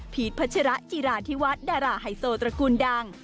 พัชระจิราธิวัฒน์ดาราไฮโซตระกูลดัง